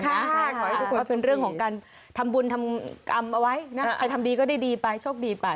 ขอให้ทุกคนเป็นเรื่องของการทำบุญทำกรรมเอาไว้นะใครทำดีก็ได้ดีไปโชคดีไป